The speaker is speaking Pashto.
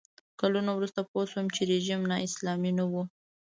کلونه وروسته پوه شوم چې رژیم نا اسلامي نه و.